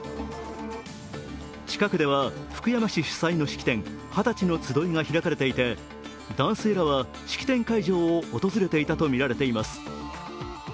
近くでは福山市主催の式典はたちの集いが開かれていて男性らは式典会場を訪れていたとみられています。